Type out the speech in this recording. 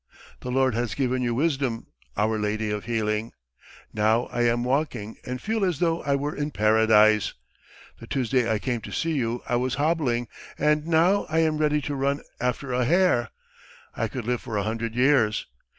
The Lord has given you wisdom, our lady of healing! Now I am walking, and feel as though I were in Paradise. The Tuesday I came to you I was hobbling, and now I am ready to run after a hare. ... I could live for a hundred years.